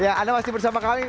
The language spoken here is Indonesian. ya anda masih bersama kami